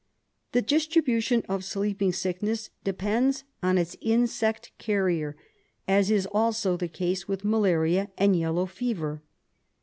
The distribution of sleeping sickness depends on its insect carrier, as is also the case with malaria and yellow fever.